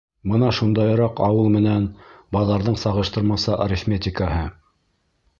Бына шундайыраҡ ауыл менән баҙарҙың сағыштырмаса арифметикаһы.